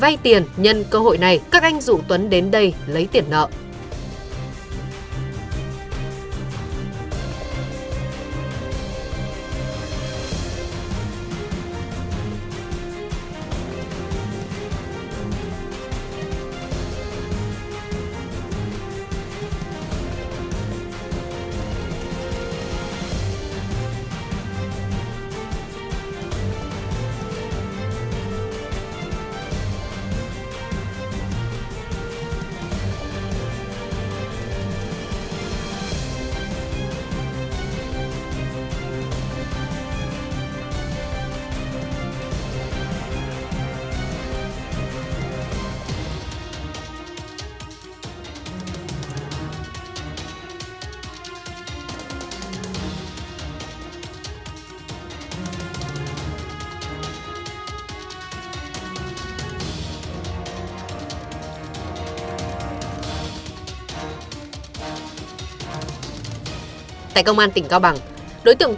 vay tiền nhân cơ hội này các anh rủ tuấn đến đây lấy tiền nợ